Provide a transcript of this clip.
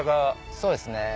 そうですね。